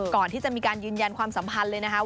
ก่อนที่จะมีการยืนยันความสัมพันธ์เลยนะคะ